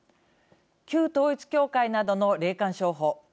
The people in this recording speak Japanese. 旧統一教会などの霊感商法。